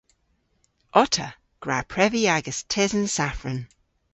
Otta! Gwra previ agas tesen safran!